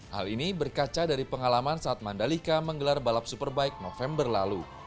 hal ini berkaca dari pengalaman saat mandalika menggelar balap superbike november lalu